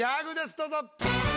どうぞ。